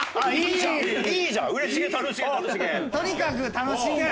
とにかく楽しいんだ。